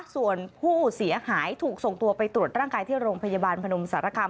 ส่วนผู้เสียหายถูกส่งตัวไปตรวจร่างกายที่โรงพยาบาลพนมสารคาม